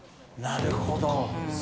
なるほど。